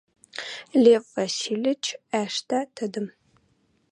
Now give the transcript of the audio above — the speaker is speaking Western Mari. Лев Васильыч ӓштӓ тидӹм.